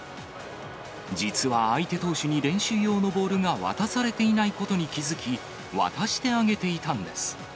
実は相手投手に練習用のボールが渡されていないことに気付き、渡してあげていたんです。